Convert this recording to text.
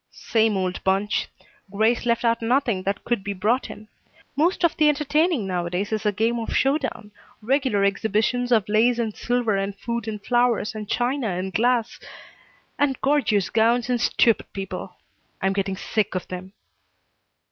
"Same old bunch. Grace left out nothing that could be brought in. Most of the entertaining nowadays is a game of show down, regular exhibitions of lace and silver and food and flowers and china and glass, and gorgeous gowns and stupid people. I'm getting sick of them."